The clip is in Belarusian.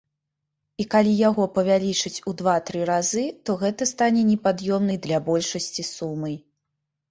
І калі яго павялічыць ў два-тры разы, то гэта стане непад'ёмнай для большасці сумай.